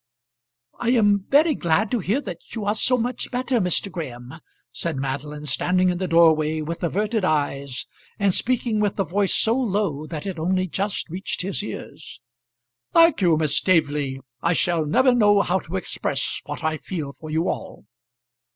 "I am very glad to hear that you are so much better, Mr. Graham," said Madeline, standing in the doorway with averted eyes, and speaking with a voice so low that it only just reached his ears. "Thank you, Miss Staveley; I shall never know how to express what I feel for you all."